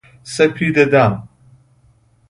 سپید دم